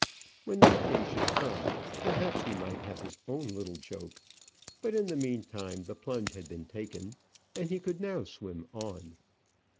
When that day should come, perhaps he might have his own little joke; but, in the meantime, the plunge had been taken, and he could now swim on.